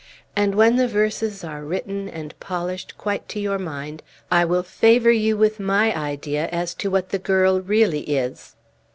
And when the verses are written, and polished quite to your mind, I will favor you with my idea as to what the girl really is."